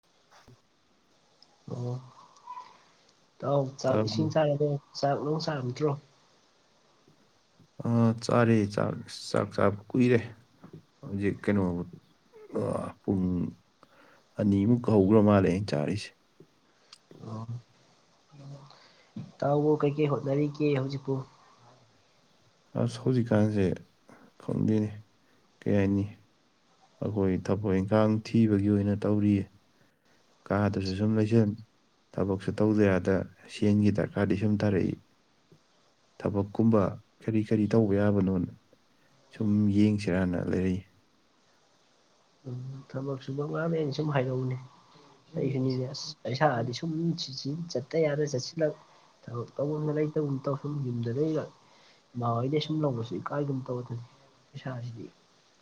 [inaudible] ꯑꯣ ꯇꯥꯎ ꯆꯥꯛ ꯇꯥꯔꯕꯣ ꯏꯁꯤꯡ ꯆꯥꯔꯗꯣ ꯆꯥꯛ ꯅꯅꯨꯡ ꯆꯥꯔꯝꯗ꯭ꯔꯣ ꯑ ꯆꯥꯔꯦꯛ ꯆꯥꯛ ꯆꯥꯕ ꯀꯨꯏꯔꯦ ꯖꯤ ꯀꯩꯅꯣ ꯑꯨꯡ ꯑꯅꯤꯃꯨꯛ ꯍꯧꯈ꯭ꯔ ꯃꯥꯜꯂꯦ ꯑꯩꯅ ꯆꯥꯔꯤꯁꯦ ꯑ ꯏ ꯇꯥꯎꯕꯨ ꯀꯩꯀꯩ ꯍꯣꯠꯅꯔꯤꯒꯦ ꯍꯧꯖꯤꯛꯄꯨ ꯑꯁ ꯍꯧꯖꯤꯛꯀꯥꯟꯁꯦ ꯈꯪꯗꯦꯅꯦ ꯀꯩ ꯍꯥꯏꯅꯤ ꯑꯩꯈꯣꯏ ꯊꯕꯛ ꯏꯟꯈꯥꯡ ꯊꯤꯕꯒꯤ ꯑꯣꯏꯅ ꯇꯧꯔꯤꯌꯦ ꯀꯥꯗꯁꯨ ꯁꯨꯝ ꯂꯩꯁꯤꯟ ꯊꯕꯛꯁꯨ ꯇꯧꯗ ꯌꯥꯗ ꯁꯦꯟꯒꯤ ꯗꯔꯀꯥꯔꯗꯤ ꯁꯨꯝ ꯇꯥꯔꯛꯏ ꯊꯕꯛꯀꯨꯝꯕ ꯀꯔꯤ ꯀꯔꯤ ꯇꯧꯕ ꯌꯥꯕꯅꯣꯅ ꯁꯨꯝ ꯌꯦꯡꯁꯤꯔꯥꯟꯅ ꯂꯩꯔꯛꯏ ꯎꯝ ꯊꯕꯛ ꯁꯨꯕ ꯉꯥꯡꯔꯦ ꯑꯩꯅ ꯁꯨꯝ ꯍꯥꯏꯔꯧꯅꯦ ꯑꯩꯁꯨꯅꯤꯁꯦ ꯑꯁ ꯄꯩꯁꯥꯗꯤ ꯁꯨꯝ ꯆꯠꯇ ꯌꯥꯗ ꯆꯠꯁꯤꯜꯂꯛ ꯊꯕꯛ ꯇꯧꯐꯝꯗ ꯂꯩꯇꯨꯝ ꯇꯧꯐꯝꯨꯝ ꯌꯨꯝꯗ ꯂꯩꯩꯒ ꯏꯥꯟ ꯍꯩꯗ ꯑ ꯁꯨꯝ ꯂꯧꯕꯁꯨ ꯏꯀꯥꯏꯒꯨꯝꯅ ꯇꯧꯗꯅꯤ ꯄꯩꯁꯥꯁꯤꯗꯤ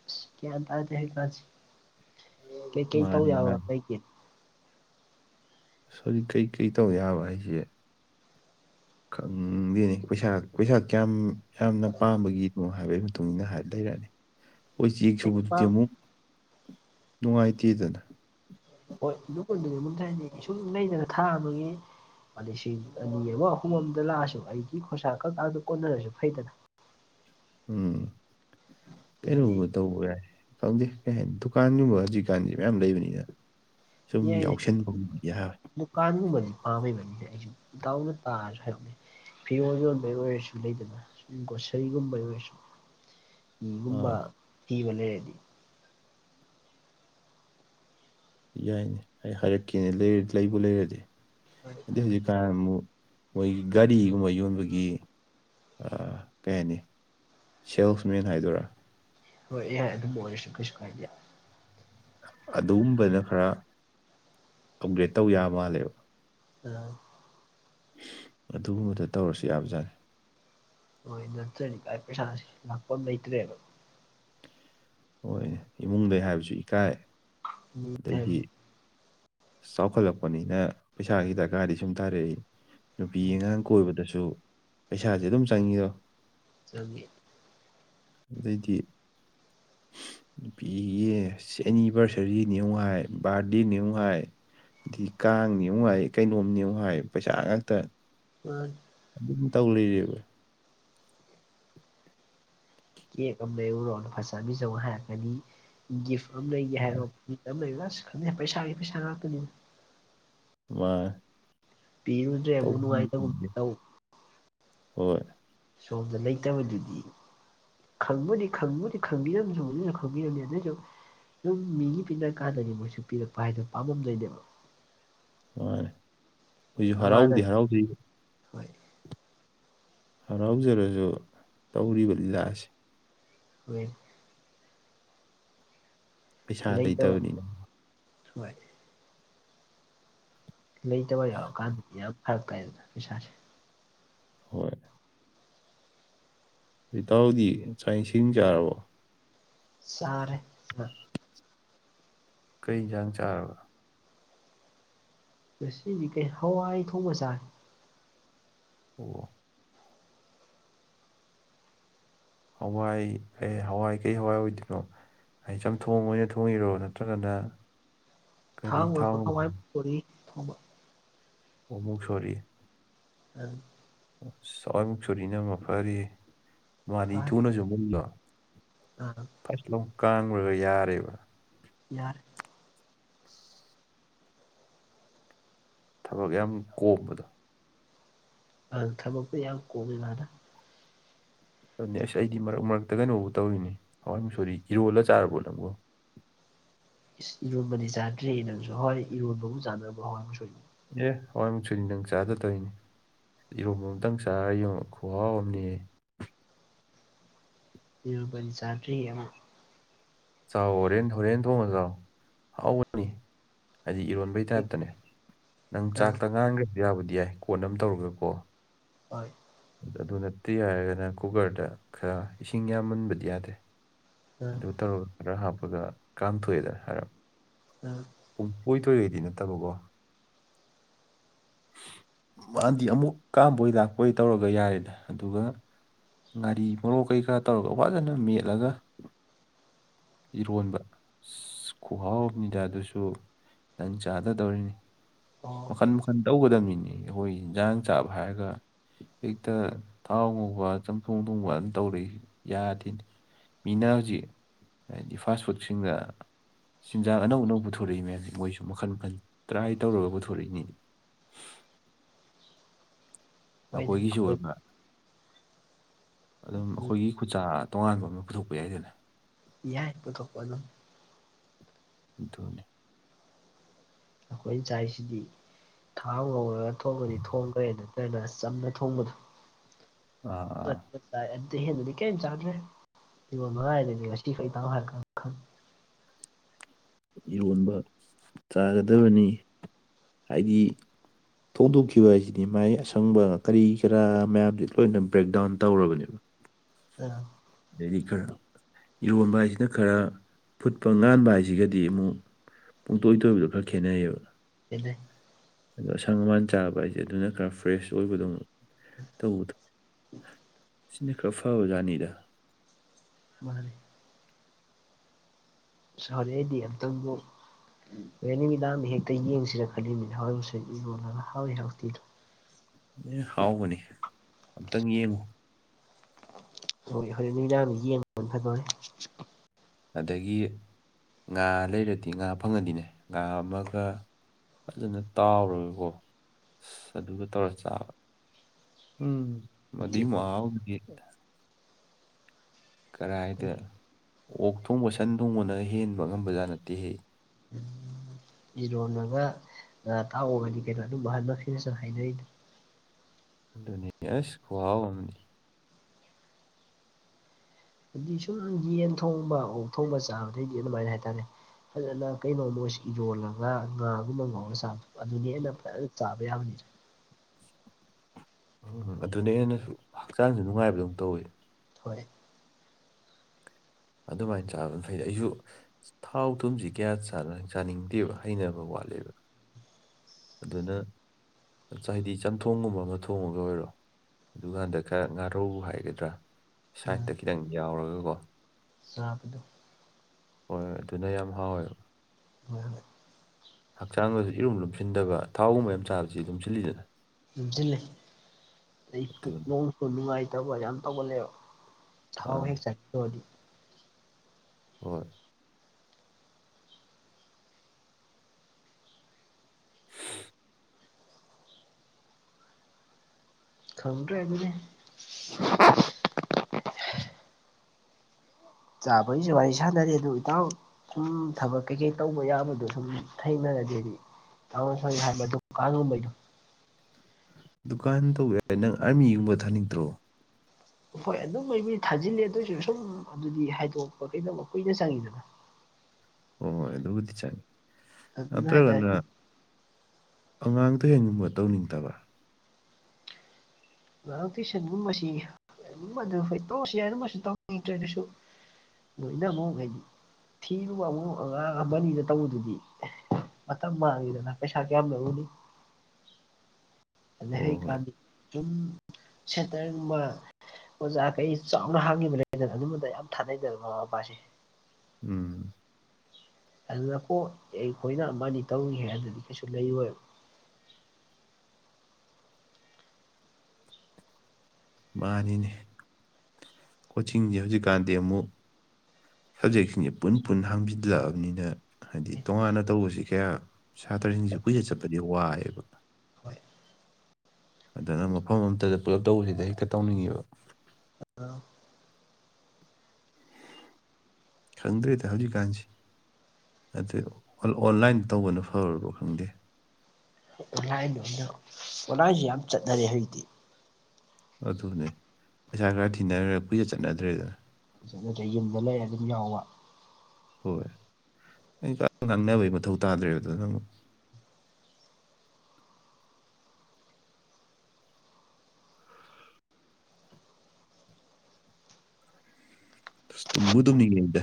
ꯑꯁ ꯒ꯭ꯌꯥꯟ ꯇꯥꯗꯦ ꯍꯧꯀꯥꯟꯁꯤꯦ ꯀꯩꯀꯩ ꯇꯧ ꯃꯥꯅꯤ ꯌꯥꯕ ꯃꯥꯅꯤ ꯂꯩꯩꯒꯦ ꯣꯖꯤꯛ ꯀꯩꯀꯩ ꯇꯧ ꯌꯥꯕ ꯑꯩꯁꯦ ꯈꯪꯗꯣꯏꯅꯤ ꯄꯩꯁꯥ ꯄꯩꯁꯥ ꯀꯌꯥꯝ ꯌꯥꯝꯅ ꯄꯥꯝꯕꯒꯤꯅꯣ ꯍꯥꯏꯕꯒꯤ ꯃꯇꯨꯡ ꯏꯟꯅ ꯂꯩꯔꯛꯑꯅꯤ ꯍꯣꯏ ꯆꯦꯛ ꯑꯩ ꯁꯨꯕꯗꯨꯗꯤ ꯄꯥꯝ ꯑꯃꯨꯛ ꯅꯨꯡꯉꯥꯏꯇꯦꯗꯅ ꯍꯣꯏ ꯑꯗꯨꯗꯨꯗꯤꯉꯣꯟꯁ ꯍꯥꯏꯗꯤ ꯁꯨꯝ ꯂꯩꯗꯅ ꯊꯥꯕꯒꯤ ꯂꯤꯁꯤꯡ ꯑꯅꯤ ꯑꯃ ꯑꯍꯨꯝ ꯑꯃꯗ ꯂꯥꯛꯑꯁꯨ ꯑꯩꯒꯤ ꯈꯣꯟꯁꯥ ꯈꯛꯛꯇꯗ ꯀꯣꯟꯅꯔꯁꯨ ꯐꯩꯗꯅ ꯎꯝ ꯍꯥꯏꯗꯤ ꯀꯩꯩꯅ ꯇꯧ ꯌꯥꯏ ꯈꯪꯗꯦ ꯀꯩ ꯍꯥꯏꯅꯤ ꯗꯨꯀꯥꯟꯒꯨꯝꯕ ꯍꯧꯖꯤꯛꯀꯥꯟꯁꯦ ꯃꯌꯥꯝ ꯂꯩꯕꯅꯤꯅ ꯁꯨꯝ ꯌꯥꯏꯅꯦꯏ ꯌꯥꯎꯁꯟꯕ ꯌꯥꯕ ꯗꯨꯀꯥꯟꯒꯨꯝꯕꯗꯤ ꯄꯥꯝꯃꯤꯕꯅꯤꯅꯦ ꯑꯩꯁꯨꯗꯥꯅ ꯇꯥꯔꯁꯨ ꯍꯥꯏꯔꯅꯦ ꯐꯤꯔꯣꯜ ꯌꯣꯟꯕꯩ ꯑꯣꯏꯔꯁꯨ ꯂꯩꯗꯅ ꯁꯨꯝ ꯒꯣꯁꯔꯤꯒꯨꯝꯕꯩ ꯑꯣꯏꯔꯁꯨ ꯒꯨꯝꯕ ꯑꯥ ꯊꯤꯕ ꯂꯩꯔꯗꯤ ꯌꯥꯏꯅꯦ ꯑꯩ ꯍꯥꯏꯔꯛꯀꯦꯅꯦ ꯂꯩꯕꯨ ꯂꯩꯔꯗꯤ ꯍ ꯑꯩ ꯍꯧꯖꯤꯛꯀꯥꯟ ꯑꯃꯨꯛ ꯃꯣꯏꯒꯤ ꯒꯥꯔꯤꯒꯨꯝꯕ ꯌꯣꯟꯕꯒꯤ ꯀꯩ ꯍꯥꯏꯅꯤ ꯁꯦꯜꯁꯃꯦꯟ ꯍꯥꯏꯗꯣꯏꯔꯥ ꯍꯣꯏ ꯌꯥꯏ ꯑꯗꯨꯝꯕꯨꯂꯤꯁꯨ ꯀꯁꯨ ꯀꯥꯏꯗ ꯑꯗꯨꯒꯨꯝꯕꯅ ꯈꯔ ꯑꯞꯒ꯭ꯔꯦꯗ ꯇꯧ ꯌꯥꯕ ꯃꯥꯜꯂꯦꯕ ꯎꯝ ꯑꯗꯨꯒꯨꯝꯕꯗ ꯇꯧꯔꯁꯨ ꯌꯥꯕꯖꯥꯠꯅꯤ ꯍꯣꯏ ꯅꯠꯆꯅꯤꯚꯥꯏ ꯄꯩꯁꯥ ꯂꯥꯛꯄ ꯑꯃ ꯂꯩꯇ꯭ꯔꯦꯕ ꯍꯣꯏ ꯏꯃꯨꯡꯗꯩ ꯍꯥꯏꯕꯁꯨ ꯏꯀꯥꯏ ꯃꯤ ꯑꯗꯒꯤ ꯍꯥꯏꯕꯁꯤ ꯑ ꯆꯥꯎꯈꯠꯂꯛꯄꯅꯤꯅ ꯄꯩꯁꯥꯒꯤ ꯗꯔꯀꯥꯔꯗꯤ ꯁꯨꯝ ꯇꯥꯔꯛꯏ ꯅꯨꯄꯤ ꯑꯉꯥꯡ ꯀꯣꯏꯕꯗꯁꯨ ꯄꯩꯁꯥꯁꯦ ꯑꯗꯨꯝ ꯆꯪꯉꯤꯗꯣ ꯆꯪꯦ ꯑꯗꯩꯗꯤ ꯅꯨꯄꯤꯒꯤ ꯑꯦꯅꯤꯚꯔꯁꯔꯤꯅꯦꯌꯨ ꯍꯥꯏ ꯕꯥꯔꯗꯦꯅꯦꯌꯨ ꯍꯥꯏ ꯍꯥꯏꯗꯤ ꯀꯥꯡꯅꯦ ꯑꯃꯨꯛ ꯍꯥꯏ ꯀꯩꯅꯣꯝꯅꯦ ꯑꯃꯨꯛ ꯍꯥꯏ ꯄꯩꯁꯥ ꯉꯥꯛꯇ ꯑ ꯑꯗꯨꯝ ꯇꯧ ꯂꯩꯔꯦꯕ ꯀꯦꯛ ꯑꯃ ꯂꯩꯎꯔꯣꯅ ꯐꯖꯕꯤꯖꯧ ꯍꯥꯏꯔꯛꯀꯅꯤ ꯒꯤꯐ ꯑꯃ ꯂꯩꯒꯦ ꯍꯥꯏꯔꯣ ꯃꯤꯠ ꯑꯃ ꯂꯩꯕ ꯑꯁ ꯈꯪꯗꯦ ꯄꯩꯁꯥꯒꯤ ꯄꯩꯁꯥ ꯉꯥꯛꯇꯅꯦꯕ ꯋꯥ ꯄꯤꯔꯨꯗ꯭ꯔꯦ ꯃꯅꯅꯨꯡꯉꯥꯏꯇ ꯈꯪꯗꯦ ꯇꯑꯣ ꯍꯣꯏ ꯁꯣꯝꯗ ꯂꯩꯇꯕꯗꯨꯗꯤ ꯈꯪꯕꯨꯗꯤ ꯈꯪꯕꯨꯗꯤ ꯈꯪꯕꯤꯔꯝꯁꯨ ꯑꯗꯨꯁꯨ ꯈꯪꯕꯤꯔꯝꯅꯤ ꯑꯗꯨꯁꯨ ꯁꯨꯝ ꯃꯤꯒꯤ ꯄꯤꯅꯔ ꯀꯥꯟꯗꯗꯤ ꯃꯣꯏꯁꯨ ꯄꯤꯔꯛꯄ ꯍꯥꯏꯗꯣ ꯄꯥꯝꯃꯝꯗꯣꯏꯅꯦꯕ ꯃꯥ ꯍꯧꯖꯤꯁꯨ ꯍꯔꯥꯎꯗꯤ ꯅꯃꯥꯟꯅꯕꯤ ꯍꯔꯥꯎꯗ ꯍꯣꯏ ꯍꯔꯥꯎꯖꯔꯁꯨ ꯇꯧꯔꯤꯕ ꯂꯤꯂꯥ ꯑꯁꯤ ꯍ ꯄꯩꯁꯥ ꯂꯩ ꯆꯕ ꯂꯩꯇꯕꯅꯤꯅ ꯂꯩꯇꯕ ꯌꯥꯎꯔꯀꯥꯟꯗꯗꯤ ꯌꯥꯝ ꯐꯔꯛꯇꯦꯗꯅ ꯄꯩꯁꯥꯁꯦ ꯍꯣꯏ ꯇꯥꯎꯗꯤ ꯆꯥꯛ ꯏꯁꯤꯡ ꯆꯥꯔꯕꯣ ꯁꯥꯔꯦ ꯀꯔꯤ ꯌꯦꯟꯁꯥꯡ ꯆꯥꯔꯕ ꯁꯤꯗꯤ ꯀꯩ ꯍꯋꯥꯏ ꯊꯣꯡꯕ ꯆꯥꯏ ꯑꯣ ꯍꯋꯥꯏ ꯀ ꯍꯋꯥꯏ ꯀꯩ ꯍꯋꯥꯏ ꯑꯣꯏꯗꯣꯏꯅꯣ ꯍꯥꯏꯗꯤ ꯏꯆꯝ ꯊꯣꯡ ꯑꯣꯏꯅ ꯊꯣꯡꯉꯤꯔꯣ ꯅꯠꯇ꯭ꯔꯒꯅ ꯊꯥ ꯀꯔꯤ ꯄ ꯊꯥꯎ ꯈꯥꯏ ꯄ ꯊꯥꯎꯕ ꯑꯣꯃꯨꯛ ꯁꯣꯔꯤ ꯎꯝ ꯑꯁꯋꯥꯏꯃꯨꯛ ꯁꯨꯔꯤꯅꯃ ꯐꯔꯤ ꯃꯥꯗꯤ ꯊꯨꯅꯁꯨ ꯃꯨꯟꯗꯣ ꯎꯝ ꯐꯁꯂꯣ ꯀꯥꯡꯈ꯭ꯔꯒ ꯌꯥꯔꯦꯕ ꯍꯔ [inaudible] ꯊꯕꯛ ꯌꯥꯝ ꯀꯣꯝꯕꯗꯣ ꯑꯜ ꯊꯕꯣꯏ ꯌꯥ ꯀꯣꯕꯤ ꯔ ꯅꯦꯛꯁ ꯑꯩꯗꯤ ꯃꯔꯛ ꯃꯔꯛꯇ ꯀꯩꯅꯣꯕꯨ ꯇꯧꯔꯤꯅꯦ ꯍꯋꯥꯏ ꯃ ꯁꯣꯔꯤ ꯏꯔꯣꯜꯂ ꯆꯥꯔꯕꯣ ꯅꯪꯕꯨꯣ ꯏꯁ ꯏꯔꯣꯟꯕꯗꯤ ꯆꯥꯗ꯭ꯔꯦꯅꯪꯁꯨ ꯍꯣꯏ ꯏꯔꯣꯟꯕꯕꯨ ꯆꯥꯅꯕ ꯍ ꯑꯃꯨ ꯁꯣꯏ ꯑꯦ ꯍꯣꯏꯏꯃꯨꯛ ꯁꯨꯅꯤ ꯅꯪ ꯆꯥꯗ ꯇꯧꯔꯤꯅꯤ ꯏꯔꯣꯝꯕ ꯑꯃꯝꯇꯪ ꯆꯥꯔ ꯌꯦꯡꯉꯣ ꯈꯍꯥꯎ ꯑꯃꯅꯦꯌꯦ ꯇꯨꯕ ꯆꯥꯇ꯭ꯔꯤ ꯑꯃ ꯑꯃ ꯆꯥꯎ ꯍꯣꯔꯦꯟ ꯍꯣꯔꯦꯟ ꯊꯣꯡꯉ ꯆꯥꯎ ꯍꯥꯎꯕꯅꯤ ꯍꯥꯏꯗꯤ ꯏꯔꯣꯟꯕꯩ ꯇꯥꯏꯞꯇꯅꯦ ꯅꯪ ꯑꯪ ꯆꯥꯛꯇ ꯉꯥꯡꯈ꯭ꯔꯁꯨ ꯌꯥꯕꯨꯗꯤ ꯌꯥꯏ ꯀꯣꯟ ꯑꯃ ꯇꯧꯔꯒꯀꯣ ꯍꯣꯏ ꯑꯗꯨ ꯅꯠꯇꯦ ꯍꯥꯏꯔꯒꯅ ꯀꯨꯀꯔꯗ ꯈꯔ ꯏꯁꯤꯡ ꯌꯥꯝ ꯃꯨꯟꯕꯗꯤ ꯌꯥꯗꯦ ꯑꯪ ꯑꯗꯨ ꯇꯔꯣ ꯈꯔ ꯍꯥꯞꯄꯒ ꯀꯥꯝꯊꯣꯛꯑꯦꯗ ꯍꯥꯏꯔꯞ ꯎꯝ ꯄꯨꯡ ꯀꯅꯤꯊꯣꯏꯗꯩꯗꯤ ꯅꯠꯇꯕꯀꯣ ꯃꯥꯗꯤ ꯑꯃꯨꯛ ꯀꯥꯝꯕꯣꯏ ꯂꯥꯛꯄꯣꯏ ꯇꯧꯔꯒ ꯌꯥꯔꯦꯗ ꯑꯗꯨꯒ ꯒꯥꯔꯤ ꯃꯣꯛ ꯀꯩ ꯀꯔꯥ ꯇꯧꯔꯒ ꯋꯥꯖꯅ ꯃꯦꯠꯂꯒ ꯏꯔꯣꯟꯕ ꯈꯨꯍꯥꯎꯅꯤꯗ ꯑꯗꯨꯁꯨ ꯅꯟ ꯆꯥꯗꯗꯧꯔꯤꯅꯤ ꯑꯣ ꯃꯈꯟ ꯃꯈꯟ ꯇꯧꯒꯗꯕꯅꯤꯅꯤ ꯑꯩꯈꯣꯏ ꯌꯦꯟꯁꯥꯡ ꯆꯥꯕ ꯍꯥꯏꯔꯒ ꯍꯦꯛꯇ ꯊꯥꯎ ꯉꯧꯕ ꯆꯝꯊꯣꯡ ꯊꯣꯡꯕ ꯇꯧꯔꯛꯏ ꯌꯥꯗꯦꯅꯤ ꯃꯤꯅ ꯍꯧꯖꯤꯛ ꯍꯥꯏꯗꯤ ꯐꯥꯁ ꯐꯨꯗꯁꯤꯡꯒ ꯆꯤꯟꯖꯥꯛ ꯑꯅꯧ ꯑꯅꯧꯕ ꯄꯨꯊꯣꯔꯛꯏ ꯃꯌꯥꯝ ꯃꯣꯏꯁꯨ ꯃꯈꯜ ꯃꯈꯟ ꯇ꯭ꯔꯥꯏ ꯇꯧꯔꯒ ꯄꯨꯊꯣꯔꯛ ꯁꯅꯤ ꯍꯣꯏꯅꯦ ꯑꯩꯈꯣꯏꯒꯤꯁꯨ ꯑꯩꯈꯣꯏ ꯑꯣꯏꯕ ꯑꯗꯨꯝ ꯑꯩꯈꯣꯏꯒꯤ ꯈꯨꯆꯥ ꯇꯣꯉꯥꯟꯕ ꯑꯃ ꯄꯨꯊꯣꯛꯄ ꯌꯥꯏꯗꯅ ꯌꯥꯏꯕꯨꯊꯣꯛꯄ ꯑꯗꯨꯣꯟ ꯗꯣꯅꯦ ꯑꯩꯈꯣꯏ ꯆꯥꯏꯁꯤꯗꯤ ꯊꯥꯎ ꯉꯧꯔꯒ ꯊꯣꯡꯕꯗꯤ ꯊꯣꯡꯈ꯭ꯔꯦ ꯅꯠꯇ꯭ꯔꯒꯅ ꯑꯁ ꯆꯝꯅ ꯊꯣꯡꯕꯗꯣ ꯑ ꯑꯥ ꯑꯗꯨꯗꯤ ꯍꯦꯟꯟꯅꯗꯤ ꯀꯩꯝ ꯆꯥꯟꯗ꯭ꯔꯦ ꯁꯤꯕꯣ ꯃꯉꯥꯏꯗꯗꯤ ꯉꯁꯤꯈꯩ ꯇꯥ ꯍꯥꯏꯔ ꯏꯔꯣꯟꯕ ꯆꯥꯒꯗꯕꯅꯤ ꯍꯥꯏꯗꯤ ꯐꯣꯡꯗꯣꯛꯈꯤꯕ ꯍꯥꯏꯁꯤꯗꯤ ꯃꯥꯏ ꯑꯁꯪꯕ ꯀꯔꯤ ꯀꯔꯥ ꯃꯌꯥꯝꯁꯤ ꯂꯣꯏꯅ ꯕ꯭ꯔꯦꯛ ꯗꯥꯎꯟ ꯇꯧꯔꯕꯅꯦꯕ ꯑ ꯑꯗꯩꯗꯤ ꯈꯔ ꯌꯣꯟꯕ ꯍꯥꯏꯁꯤꯅ ꯈꯔ ꯐꯨꯠꯄ ꯉꯥꯟꯕ ꯍꯥꯏꯁꯤꯒꯗꯤ ꯑꯃꯨꯛ ꯄꯨꯡꯇꯣꯏꯕꯗ ꯈꯦꯠꯅꯩꯌꯦꯕꯅ ꯁꯤꯅ ꯑꯗꯣ ꯑꯁꯪ ꯑꯃꯥꯟ ꯆꯥꯕ ꯍꯥꯏꯁꯦ ꯑꯗꯨꯅ ꯈꯔ ꯐ꯭ꯔꯦꯁ ꯑꯣꯏꯕꯗꯧ ꯇꯧꯕꯗ ꯁꯤꯅ ꯈꯔ ꯐꯕ ꯖꯥꯠꯅꯤꯗ ꯁꯃꯦ ꯁꯥꯔꯦ ꯑꯩꯗꯤ ꯑꯝꯇꯪꯕꯨ ꯍ‌ꯣꯔ‌ꯦꯟ ꯅꯨꯃꯤꯗꯥꯡꯗ ꯍꯦꯛꯇ ꯌꯦꯡꯁꯤꯔ ꯈꯜꯂꯤꯃꯤꯅꯤ [inaudible] ꯍꯥꯎꯋꯤ ꯍꯥꯎꯇ‌ꯦꯗꯣ ꯂꯣꯏ ꯍꯥꯎꯕꯅꯤ ꯑꯝꯇꯪ ꯌꯦꯡꯉꯨ ꯍꯣꯏ ꯍꯣꯔ‌ꯦꯟ ꯅꯨꯃꯤꯗꯥꯡ ꯌꯦꯡꯕꯅ ꯐꯗ‌ꯣꯔꯦ ꯑꯗꯒꯤ ꯉꯥ ꯂꯩꯔꯗꯤ ꯉꯥ ꯐꯪꯉꯗꯤꯅꯦ ꯉꯥ ꯑꯃꯒ ꯐꯖꯅ ꯇꯥꯎꯔꯒꯀꯣ ꯑꯁ ꯑꯗꯨꯒ ꯇꯧꯔ ꯆꯥꯕ ꯎꯝ ꯃꯗꯨꯏ ꯃꯥꯍꯧꯗꯨꯗꯤ ꯀꯔꯥꯏꯗ ꯑꯣꯛ ꯊꯣꯡꯕ ꯁꯟ ꯊꯣꯡꯕꯅ ꯍꯦꯟꯕ ꯑꯉꯝꯕꯖꯥꯠ ꯅꯠꯇꯦꯍ‌ꯦ ꯏꯔꯣꯟꯃꯒ ꯉꯥ ꯇꯥꯎꯕꯒꯅꯤ ꯀꯩꯅꯣ ꯑꯗꯨꯝ [inaudible] ꯍꯥꯏꯅꯔꯤꯗꯣ ꯑꯗꯨꯅ‌ꯦ ꯑꯁ ꯈꯨꯍꯥꯎ ꯑꯃꯅ‌ꯦ ꯍꯥꯏꯗꯤ ꯁꯨꯝ ꯌꯦꯟ ꯊꯣꯡꯕ ꯑꯣꯛ ꯊꯣꯡꯕ ꯆꯥꯕꯗꯩꯗꯤ ꯑꯗꯨꯃꯥꯏꯅ ꯍꯥꯏꯇꯥꯔꯦ ꯐꯖꯅ ꯀꯩꯅꯣꯃꯣꯏ ꯏꯔꯣꯜꯂꯒ ꯉꯥꯒꯨꯝꯕ ꯉꯥꯎꯔ ꯆꯕ ꯑꯗꯨꯅꯤ ꯑꯩꯅ ꯐꯖꯅ ꯆꯥꯕ ꯌꯥꯕꯅꯤꯅ ꯎꯝ ꯑꯗꯨꯅꯤ ꯑꯦꯩꯅꯁꯨ ꯍꯛꯆꯥꯡꯁꯨ ꯅꯨꯡꯉꯥꯏꯕꯗꯧꯝ ꯇꯧꯋꯤ ꯍꯣꯏ ꯑꯗꯨꯃꯥꯏꯅ ꯆꯥꯕꯅ ꯃꯈꯩꯗꯤ ꯑꯩꯁꯨ ꯊꯥꯎ ꯊꯨꯝꯁꯤ ꯀꯌꯥ ꯆꯥꯅꯤꯡꯗꯦꯕ ꯍꯩꯅꯕ ꯋꯥꯠꯂꯦꯕ ꯑꯗꯨꯅ ꯍꯥꯏꯗꯤ ꯆꯝꯊꯣꯡꯒꯨꯝꯕ ꯑꯃ ꯊꯣꯡꯉꯒ ꯑꯣꯏꯔꯣ ꯑꯗꯨꯀꯥꯟꯗ ꯈꯔ ꯉꯥꯔꯧ ꯍꯥꯏꯒꯗ꯭ꯔꯥ ꯁꯥꯏꯠꯇ ꯈꯤꯇꯪ ꯌꯥꯎꯔꯒꯀꯣ ꯆꯥꯕꯤꯗꯣ ꯍꯣꯏ ꯍꯣꯏ ꯑꯗꯨꯅ ꯌꯥꯝ ꯍꯥꯎꯋꯦꯕ [inaudible] ꯍꯛꯆꯥꯡꯗꯁꯨ ꯏꯔꯨꯝ ꯂꯨꯝꯁꯤꯟꯗꯕ ꯊꯥꯎꯒꯨꯝꯕ ꯌꯥꯝ ꯆꯥꯕꯁꯤ ꯂꯨꯝꯁꯤꯜꯂꯤꯗꯅ ꯂꯨꯝꯁꯤꯜꯂ‌ꯦ ꯑꯩ ꯑꯗꯨꯅꯤ ꯄꯨꯛꯅ‌ꯣꯡꯁꯨ ꯅꯨꯡꯉꯥꯏꯇꯕ ꯌꯥꯝ ꯇꯧꯒꯜꯂ‌ꯦꯕ ꯊꯥꯎ ꯑꯥ ꯍꯦꯛ ꯆꯥꯇ‌ꯣꯔꯗꯤ ꯍꯣꯏ ꯈꯪꯗ꯭ꯔꯦ ꯑꯗꯨꯗꯤ ꯆꯥꯕꯩꯁꯨ ꯋꯥꯔꯤ ꯁꯥꯟꯅꯔꯤ ꯑꯗꯨ ꯏꯇꯥꯎ ꯁꯨꯝ ꯊꯕꯛ ꯀꯩꯀꯩ ꯇꯧꯕ ꯌꯥꯕꯗꯣ ꯁꯨꯝ ꯊꯩꯅꯔꯗꯤꯗꯤ [inaudible] ꯗꯨꯀꯥꯟ ꯇꯧꯕ ꯌꯥꯏ ꯅꯪ ꯑꯥꯔꯃꯤ ꯒꯨꯝꯕ ꯊꯥꯅꯤꯡꯗ꯭ꯔꯣ ꯍꯣꯏ ꯑꯗꯨꯝꯕꯩꯕꯨꯗꯤ ꯊꯥꯖꯤꯜꯂ‌ꯦ ꯑꯗꯨꯏꯁꯨ ꯁꯨꯝ ꯑꯗꯨꯗꯤ ꯍꯥꯏꯗꯣꯛꯄ ꯀꯩꯗꯧꯕ ꯀꯨꯏꯅ ꯆꯪꯉꯤꯗꯅ ꯑꯣ ꯍ‌ꯣꯏ ꯑꯗꯨꯕꯨꯗꯤ ꯆꯪꯉꯤ ꯑꯗꯨꯅ ꯍꯥꯏꯇꯥꯔꯦ ꯅꯠꯇ꯭ꯔꯒꯅ ꯑꯉꯥꯡ ꯇꯨꯏꯁꯟꯒꯨꯝꯕ ꯇꯧꯅꯤꯡꯇꯕ꯭ꯔ ꯑꯉꯥꯡ ꯇꯨꯏꯁꯟꯒꯨꯝꯕꯁꯤ [unintelligible] ꯇ‌ꯣꯛꯑꯁꯤ ꯌꯥꯔ‌ꯦ ꯑꯗꯨꯝꯕꯁꯨ ꯇꯧꯅꯤꯡꯇ꯭ꯔꯦ ꯑꯗꯨꯁꯨ ꯂꯣꯏꯅ ꯑꯃꯨꯛ ꯍꯥꯏꯗꯤ ꯊꯤꯔꯨꯕ ꯑꯃꯨꯛ ꯑꯉꯥꯡ ꯑꯃꯅꯤꯗ ꯇꯧꯕꯗꯨꯗꯤ ꯃꯇꯝ ꯃꯥꯥꯡꯉꯤꯗꯅ ꯄꯩꯁꯥ ꯀꯌꯥꯝ ꯂꯧꯔꯨꯅꯤ ꯑꯗꯩ ꯍꯣꯏ ꯍꯣꯏ ꯍꯩꯀꯥꯟꯗ‌ꯦ ꯆꯨꯝ ꯁꯦꯇꯔꯒꯨꯝꯕ ꯑꯣꯖꯥꯈꯩ ꯆꯥꯎꯅ ꯍꯥꯡꯉꯤꯕ ꯂꯩꯗꯅ ꯑꯗꯨꯝꯕꯗ ꯌꯥꯝ ꯊꯥꯗꯩꯗꯅ ꯃꯃꯥ ꯃꯄꯥꯁ‌ꯦ ꯎꯝ ꯑꯗꯨꯅꯀꯣ ꯑꯩ ꯑꯩꯈꯣꯏꯅ ꯑꯃ ꯑꯅꯤ ꯇꯧꯅꯤꯡꯉ‌ꯦ ꯍꯥꯏꯗꯨꯗꯤ ꯀꯩꯁꯨ ꯂꯩꯔꯣꯏꯕ ꯃꯥꯅꯤꯅꯦ ꯀꯣꯆꯤꯡꯁꯦ ꯍꯧꯖꯤꯛꯀꯥꯟꯗꯤ ꯑꯃꯨꯛ ꯁꯕꯖꯦꯛꯁꯤꯡꯁꯦ ꯄꯨꯟ ꯄꯨꯟ ꯍꯥꯡꯖꯤꯜꯂꯛꯑꯕꯅꯤꯅ ꯍꯥꯏꯗꯤ ꯇꯣꯉꯥꯟꯅ ꯇꯧꯕꯁꯤ ꯀꯌꯥ ꯁꯥꯇ꯭ꯔꯁꯤꯡꯁꯤ ꯀꯨꯏꯆꯠ ꯆꯠꯄꯗꯤ ꯋꯥꯏꯑꯦꯕ ꯍꯣꯏ ꯑꯗꯨꯅ ꯃꯐꯝ ꯑꯃꯝꯇꯗ ꯄꯨꯂꯞ ꯇꯧꯕꯁꯤꯗ ꯍꯦꯛꯇ ꯇꯧꯅꯤꯡꯉꯦꯕ [unintelligible] ꯈꯪꯗ꯭ꯔꯦꯗ ꯍꯧꯖꯤꯛꯀꯥꯟꯁꯤ ꯑꯗꯨ ꯑꯣ ꯑꯣꯟꯂꯥꯏꯟ ꯇꯧꯕꯅ ꯐꯔꯕꯣ ꯈꯪꯗꯦ ꯑꯣꯂꯥꯏꯟꯗ [inaudible] ꯑꯣꯂꯥꯏꯟꯁꯤ ꯌꯥꯝ ꯆꯠꯅꯔꯦ ꯍꯧꯖꯤꯛꯇꯤ ꯑꯗꯨꯅꯦ ꯄꯩꯁꯥ ꯈꯔ ꯊꯤꯅꯈ꯭ꯔ ꯀꯨꯏꯆꯠ ꯆꯠꯅꯗ꯭ꯔꯦꯗꯅ [unintelligible] ꯅꯠꯇ꯭ꯔ ꯌꯨꯝꯗ ꯂꯩꯔ ꯑꯗꯨꯝ ꯌꯥꯎꯕ ꯍꯣꯏ [inaudible] ꯉꯥꯡꯅꯕꯩ ꯃꯊꯧ ꯇꯥꯗ꯭ꯔꯦꯕ ꯗꯨꯅ ꯃꯨ [unintelligible] ꯇꯨꯝꯕꯨ ꯇꯨꯝꯅꯤꯡꯉꯛꯏꯗ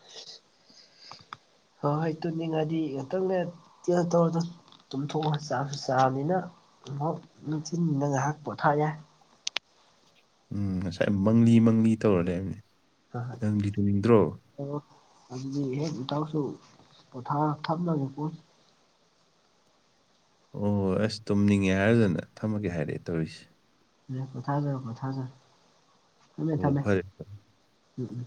[inaudible] [inaudible] ꯍꯣꯏ ꯍꯣꯏ ꯇꯨꯅꯤꯡꯉꯥꯏꯗꯤ ꯉꯇꯪꯅꯦ ꯇꯧꯔ ꯇꯨꯝꯊꯣꯛꯑ ꯆꯥꯁꯨ ꯆꯥꯕꯅꯤꯅ ꯑꯃꯨ ꯅꯤꯡꯊꯤꯅꯤꯅ ꯉꯥꯏꯍꯥꯛ ꯄꯣꯊꯥ ꯌꯥꯏ ꯎꯝ ꯉꯁꯥꯏ ꯃꯪꯂꯤ ꯃꯪꯂꯤ ꯇꯧꯔ ꯂꯩꯕꯅꯦ ꯅꯪꯂꯤ ꯇꯧꯅꯤꯡꯗ꯭ꯔꯣ ꯑꯗꯨꯗꯤ ꯍꯦꯛ ꯏꯇꯥꯎꯁꯨ ꯄꯣꯊꯥ ꯊꯞꯅꯒꯦ ꯄꯣ ꯑꯣ ꯍꯣꯏ ꯑꯁ ꯇꯨꯝꯅꯤꯡꯉꯦ ꯍꯥꯏꯔꯖꯅ ꯊꯝꯃꯒꯦ ꯍꯥꯏꯔꯛꯑꯦ ꯇꯧꯔꯤꯁꯦ ꯎꯝ ꯄꯣꯊꯥꯖꯔꯣ ꯄꯣꯊꯥꯖꯔꯣ ꯊꯝꯃꯦ ꯑꯣ ꯊꯝꯃꯦ ꯐꯔꯦ ꯎꯝ ꯎꯝ